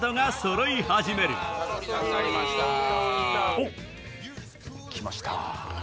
おっ来ました。